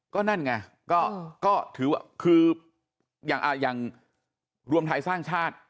ก็นั่นไงก็ถือว่าคืออย่างรวมไทยสร้างชาติ